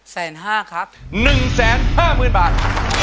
แสนห้าครับหนึ่งแสนห้าหมื่นบาท